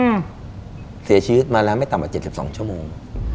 แล้วเนี่ยเสียชีวิตมาแล้วไม่ต่ำกว่า๗๒ชั่วโมง